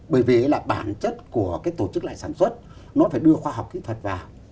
bởi vì là bản chất của cái tổ chức lại sản xuất nó phải đưa khoa học kỹ thuật vào